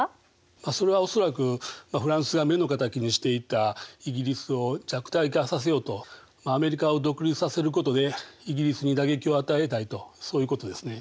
それは恐らくフランスが目の敵にしていたイギリスを弱体化させようとアメリカを独立させることでイギリスに打撃を与えたいとそういうことですね。